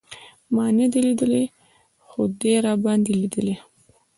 ما نه دی لېدلی خو ده راباندې لېدلی.